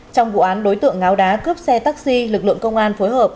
trong vụ án đối tượng ngáo đá cướp xe taxi lực lượng công an phối hợp